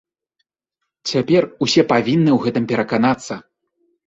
Цяпер усе павінны ў гэтым пераканацца.